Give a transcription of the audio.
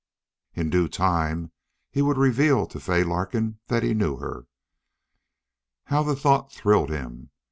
In due time he would reveal to Fay Larkin that he knew her. How the thought thrilled him!